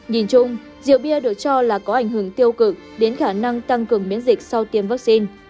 nhìn chung rượu bia được cho là có ảnh hưởng tiêu cực đến khả năng tăng cường miễn dịch sau tiêm vaccine